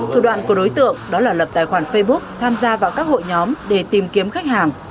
thủ đoạn của đối tượng đó là lập tài khoản facebook tham gia vào các hội nhóm để tìm kiếm khách hàng